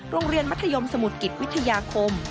โรงเรียนมัธยมสมุทรกิจวิทยาคม